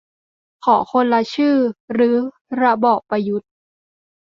ขอคนละชื่อรื้อระบอบประยุทธ์